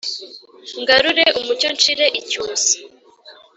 ngarure umucyo nshire icyusa